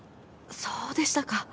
そうでしたか。